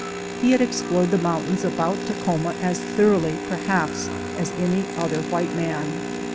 He had explored the moun tains about Takhoma as thoroughly, perhaps, as any other white man.